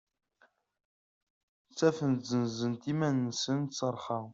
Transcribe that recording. Ttafent-d senzent iman-nsent s rrxa.